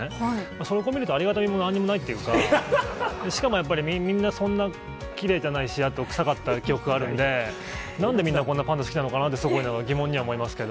そこ見ると、ありがたみもなんにもないっていうか、しかもやっぱり、みんな、そんなきれいじゃないし、あと臭かった記憶があるんで、なんでみんな、こんなにパンダ好きなのかなって、すごく思いながら、疑問には思いますけど。